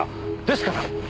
ですから。